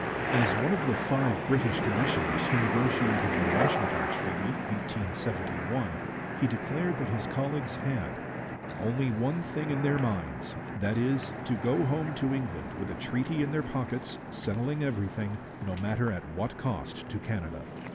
As one of the five British commissioners who negotiated the Washington Treaty (1871), he declared that his colleagues had 'only one thing in their minds that is, to go home to England with a treaty in their pockets, settling everything, no matter at what cost to Canada.'